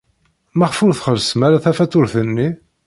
Maɣef ur txellṣem ara tafatuṛt-nni?